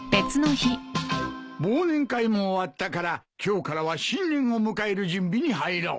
忘年会も終わったから今日からは新年を迎える準備に入ろう。